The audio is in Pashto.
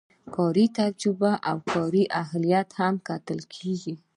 کاري تجربه او کاري اهلیت هم کتل کیږي.